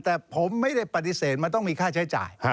แต่ผมไม่ได้ปฏิเสธมันต้องมีค่าใช้จ่าย